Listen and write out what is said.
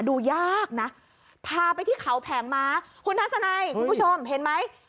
คุณท่านสนัยคุณผู้ชมเห็นไหม